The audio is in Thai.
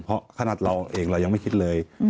เพราะขนาดเราเองเรายังไม่คิดเลย